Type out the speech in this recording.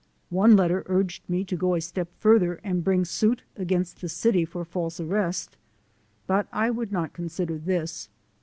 One letter urged me to go a step further and bring suit against the city for false arrest, but I would not consider this.